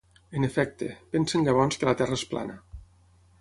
En efecte, pensen llavors que la Terra és plana.